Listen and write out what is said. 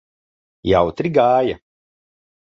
Jautri gāja?